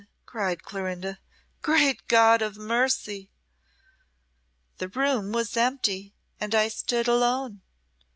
cried Clorinda. "Great God of mercy!" "The room was empty, and I stood alone.